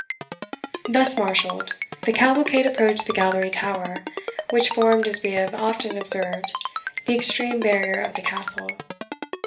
Thus marshalled, the cavalcade approached the Gallery tower, which formed, as we have often observed, the extreme barrier of the Castle.